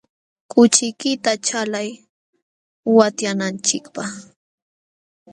Kuchiykita chalay watyananchikpaq.